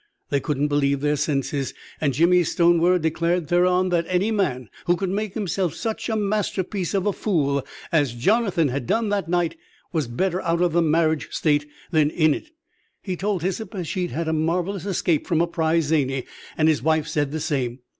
They couldn't believe their senses; and Jimmy Stonewer declared thereon that any man who could make himself such a masterpiece of a fool as Jonathan had done that night, was better out of the marriage state than in it. He told Hyssop as she'd had a marvelous escape from a prize zany; and his wife said the same.